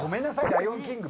ライオンキング」